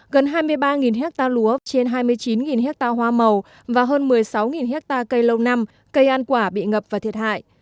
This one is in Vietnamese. gần hai mươi ba hectare lúa trên hai mươi chín hectare hoa màu và hơn một mươi sáu hectare cây lâu năm cây ăn quả bị ngập và thiệt hại